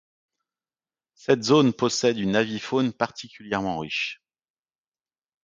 Cette zone possède une avifaune particulièrement riche.